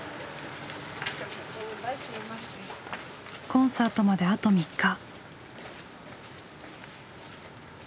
コンサートまであと３日。